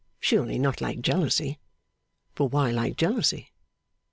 Surely not like jealousy? For why like jealousy?